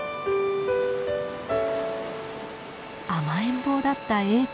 甘えん坊だったエーコ。